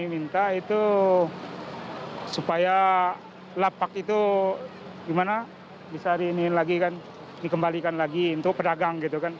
minta itu supaya lapak itu gimana bisa hari iniin lagi kan dikembalikan lagi untuk pedagang gitu kan